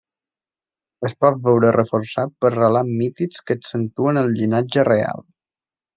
Es pot veure reforçat per relats mítics que accentuen el llinatge reial.